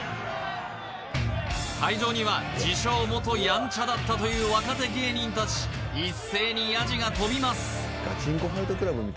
会場には自称元ヤンチャだったという若手芸人達一斉にヤジが飛びます